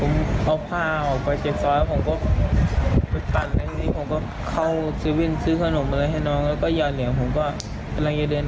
มันทุกข์ใหญ่แล้วไปก่อน